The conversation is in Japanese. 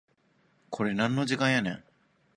これなんの時間やねん